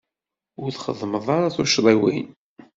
Ur txeddmeḍ ara tuccḍiwin.